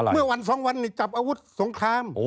เมื่อวัน๒วันนี้จับอาวุธสงคราม